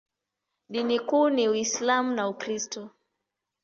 Dini kuu ni Uislamu na Ukristo.